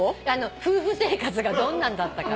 夫婦生活がどんなんだったか。